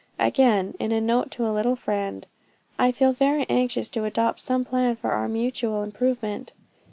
Again, in a note to a little friend, "I feel very anxious to adopt some plan for our mutual improvement."